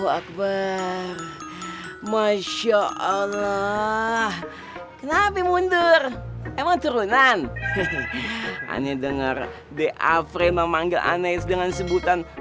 huaqbar masya allah kenapa mundur emang turunan aneh denger dia free memangga aneh dengan sebutan